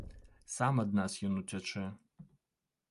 Сам ад нас ён уцячэ.